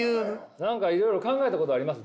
何かいろいろ考えたことあります？